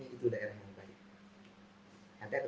berarti daerah yang kamu tempatkan atau yang kamu kunjungi